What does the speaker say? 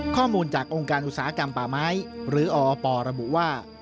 ข้อมูลจากองค์การอุตสาหกรรมป่าไม้หรืออประบุว่า